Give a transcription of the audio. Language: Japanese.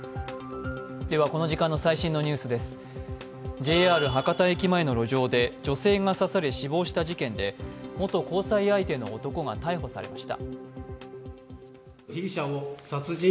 ＪＲ博多駅前の路上で女性が刺され、死亡した事件で元交際相手の男が逮捕されました。